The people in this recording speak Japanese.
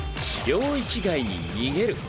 領域外に逃げる。